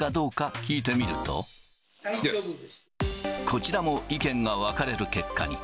こちらも意見が分かれる結果に。